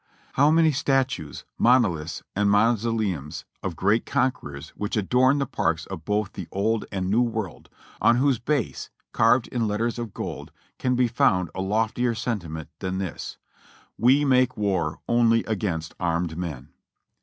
How many statues, monoliths and mausoleums of great con querors which adorn the parks of both the Old and New World, on whose base, carved in letters of gold, can be found a loftier sentiment than this : "We make war only against armed men."